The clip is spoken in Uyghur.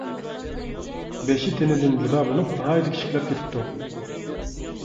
بېشى تېنىدىن جۇدا بولۇپ، ناھايىتى كىچىكلەپ كېتىپتۇ.